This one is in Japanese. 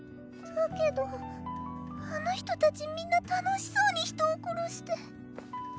だけどあの人達みんな楽しそうに人を殺して。